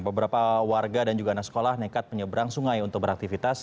beberapa warga dan juga anak sekolah nekat menyeberang sungai untuk beraktivitas